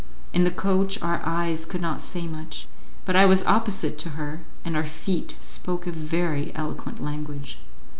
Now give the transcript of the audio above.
In the coach our eyes could not say much; but I was opposite to her, and our feet spoke a very eloquent language.